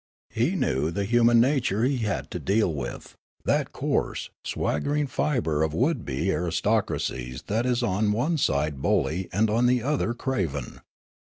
He knew the human nature he had to deal with, that coarse, swaggering fibre of would be aristo cracies that is on one side bully and on the other craven.